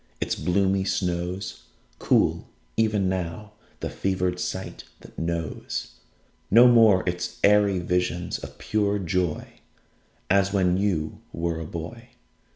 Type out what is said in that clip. Its bloomy snows Cool even now the fevered sight that knows No more its airy visions of pure joy As when you were a boy.